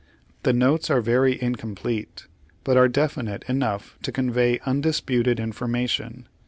The notes are very incomplete, but are definite enough to convey undisputed information.